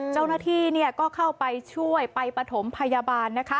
เจ้าหน้าที่ก็เข้าไปช่วยไปปฐมพยาบาลนะคะ